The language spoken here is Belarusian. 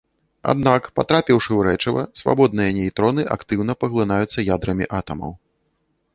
Аднак, патрапіўшы ў рэчыва, свабодныя нейтроны актыўна паглынаюцца ядрамі атамаў.